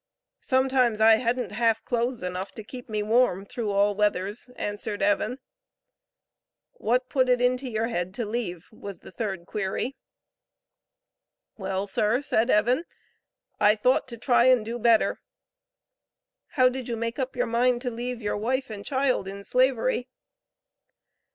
"Sometimes I hadn't half clothes enough to keep me warm, through all weathers," answered Evan. "What put it into your head to leave?" was the third query. "Well, sir," said Evan, "I thought to try and do better." How did you make up your mind to leave your wife and child in Slavery?